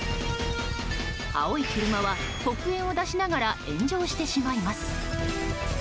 青い車は黒煙を出しながら炎上してしまいます。